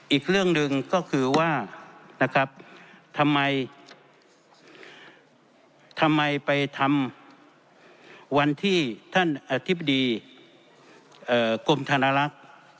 อีกเรื่องหนึ่งก็คือว่านะครับทำไมทำไมไปทำวันที่ท่านอธิบดีกรมธนลักษณ์